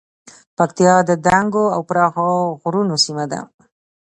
پکتیا د دنګو او پراخو غرونو سیمه ده